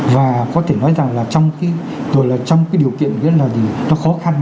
và có thể nói rằng là trong cái điều kiện rất là khó khăn